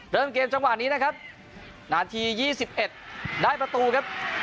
เริ่มเกมจังหวะนี้นะครับนาทียี่สิบเอ็ดได้ประตูครับ